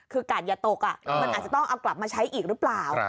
คือกาดอย่าตกมันอาจจะต้องเอากลับมาใช้อีกหรือเปล่า